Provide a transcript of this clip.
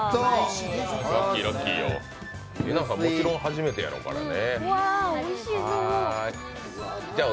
イェナさん、もちろん初めてやろうからね。